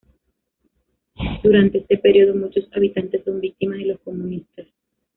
Durante este periodo muchos habitantes son víctimas de los comunistas.